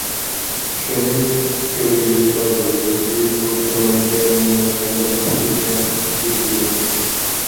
شۇنى كۆرۈۋېلىشقا بولىدۇكى، بۇ، كۆڭۈلگە مىننەتدارلىق پۈتۈلگەن كۈلكىدۇر.